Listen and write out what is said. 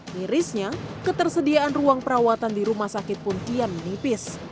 mirisnya ketersediaan ruang perawatan di rumah sakit pun kian menipis